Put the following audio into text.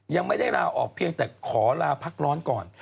ยังไม่ได้ลาออกเพียงแต่ขอลาพักร้อนก่อน